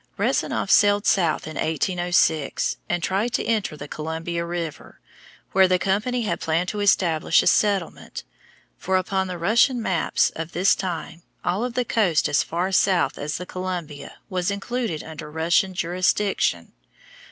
Rezanof sailed south in 1806 and tried to enter the Columbia River, where the company had planned to establish a settlement, for upon the Russian maps of this time all of the coast as far south as the Columbia was included under Russian jurisdiction.